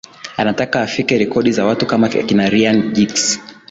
anataka afikie rekodi za watu kama akina ryan giggs